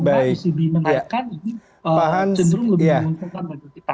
ecb menaikkan ini cenderung lebih menuntutkan bagi kita